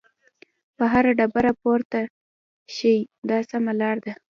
په هره ډبره پورته شئ دا سمه لار ده.